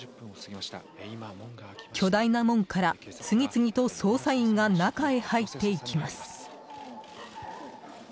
巨大な門から、次々と捜査員が中へ入っていきます。